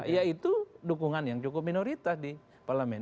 ya itu dukungan yang cukup minoritas di parlemen